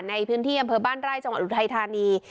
ในพื้นที่อำเภอบ้านไร่จังหวัดอุทัยธานี